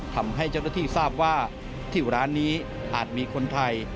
ทำให้เจ้าหน้าที่ทราบว่าที่ร้านนี้อาจมีคนไทย